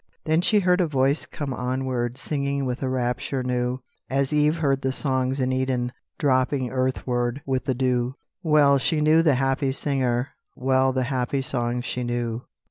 Then she heard a voice come onward Singing with a rapture new, As Eve heard the songs in Eden, Dropping earthward with the dew; Well she knew the happy singer, Well the happy song she knew.